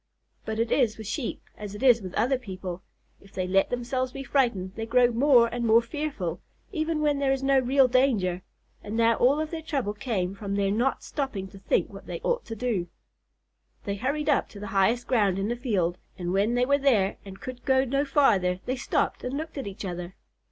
But it is with Sheep as it is with other people, if they let themselves be frightened they grow more and more fearful, even when there is no real danger and now all of their trouble came from their not stopping to think what they ought to do. They hurried up to the highest ground in the field, and when they were there and could go no farther, they stopped and looked at each other.